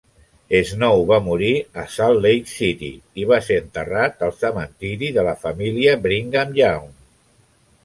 Snow va morir a Salt Lake City i va ser enterrat al cementiri de la família Brigham Young.